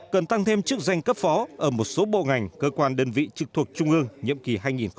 cần tăng thêm chức danh cấp phó ở một số bộ ngành cơ quan đơn vị trực thuộc trung ương nhiệm kỳ hai nghìn hai mươi một hai nghìn hai mươi năm